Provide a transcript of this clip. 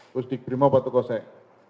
pusdik brimob watu kosek